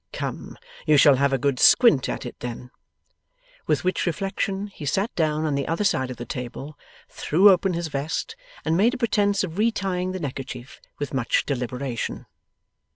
Come! You shall have a good squint at it then.' With which reflection he sat down on the other side of the table, threw open his vest, and made a pretence of re tying the neckerchief with much deliberation.